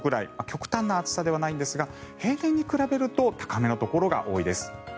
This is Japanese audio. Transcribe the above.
極端な暑さではないんですが平年に比べると高めのところが多いです。